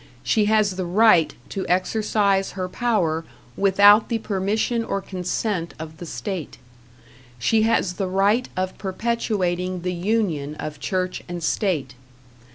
She has the right to exercise her power without the permission or consent of the state. She has the right of perpetuating the union of church and state.